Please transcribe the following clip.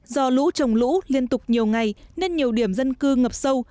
do lũ trồng lũ liên tục nhiều ngày nên nhiều điểm dân cư ngập sâu